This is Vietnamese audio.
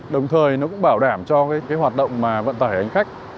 đồng thời nó cũng bảo đảm cho cái hoạt động mà vận tải hành khách